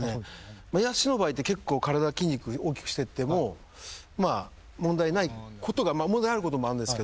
野手の場合って結構体筋肉大きくしてってもまあ問題ないことが問題あることもあるんですけど。